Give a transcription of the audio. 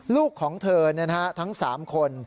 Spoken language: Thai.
ลูกของเธอทั้ง๓คน